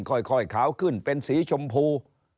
ค่อยขาวขึ้นเป็นสีชมพู